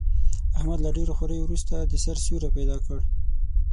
احمد له ډېرو خواریو ورسته، د سر سیوری پیدا کړ.